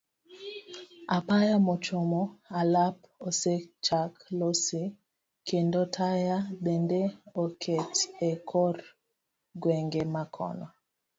Apaya mochomo alap osechak losi kendo taya bende oket e kor gwenge makono.